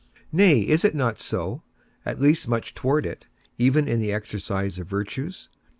Nay, is it not so (at least much towards it) even in the exercise of virtues?